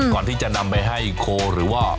ก่อนที่จะนำไปให้โคหรือว่า